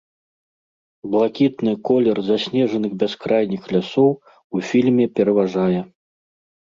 Блакітны колер заснежаных бяскрайніх лясоў у фільме пераважае.